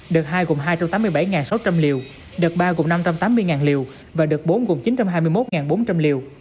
đợt hai gồm hai trăm tám mươi bảy sáu trăm linh liều đợt ba gồm năm trăm tám mươi liều và đợt bốn gồm chín trăm hai mươi một bốn trăm linh liều